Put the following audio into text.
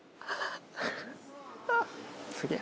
すげえ